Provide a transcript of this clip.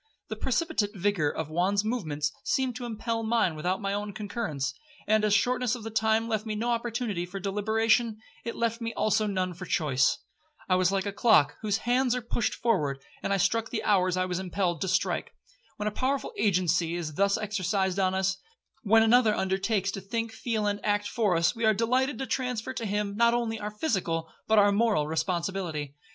The precipitate vigour of Juan's movements seemed to impel mine without my own concurrence; and as the shortness of the time left me no opportunity for deliberation, it left me also none for choice. I was like a clock whose hands are pushed forward, and I struck the hours I was impelled to strike. When a powerful agency is thus exercised on us,—when another undertakes to think, feel, and act for us, we are delighted to transfer to him, not only our physical, but our moral responsibility.